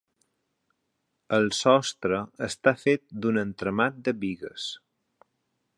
El sostre està fet d'un entramat de bigues.